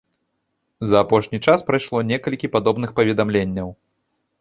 За апошні час прайшло некалькі падобных паведамленняў.